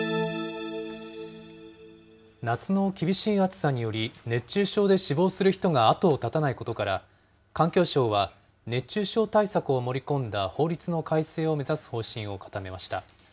夏の厳しい暑さにより、熱中症で死亡する人が後を絶たないことから、環境省は、熱中症対策を盛り込んだ法律の改正を目指す方針を固めました。